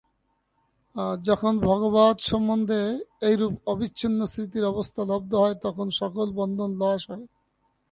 যখন ভগবৎ-সম্বন্ধে এইরূপ অবিচ্ছিন্ন স্মৃতির অবস্থা লব্ধ হয়, তখন সকল বন্ধন নাশ হয়।